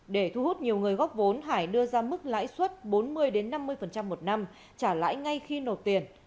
để thu hút nhiều người góp vốn hải đưa ra mức lãi suất bốn mươi năm mươi một năm trả lãi ngay khi nộp tiền